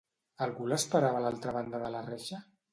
Algú l'esperava a l'altra banda de la reixa?